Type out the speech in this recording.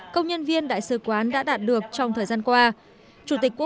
công nhân viên đại sứ quán đã đạt được trong thời gian qua